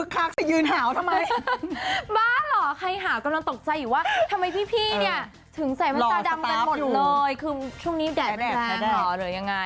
คือช่วงนี้แดดหรือยังไง